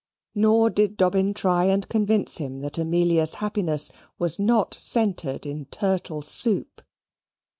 Nor did Dobbin try and convince him that Amelia's happiness was not centred in turtle soup.